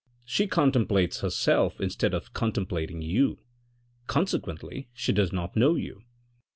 She contemplates herself instead of contem plating you, consequently she does not know you.